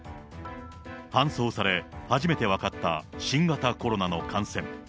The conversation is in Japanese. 搬送され、初めて分かった新型コロナの感染。